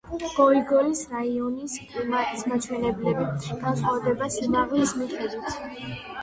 გოიგოლის რაიონის კლიმატის მაჩვენებლები განსხვავდება სიმაღლის მიხედვით.